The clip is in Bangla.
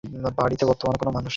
এ বাড়িতে বর্তমানে কোনো মানুষ নেই।